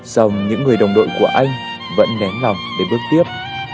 dòng những người đồng đội của anh vẫn nén lòng để bước tiếp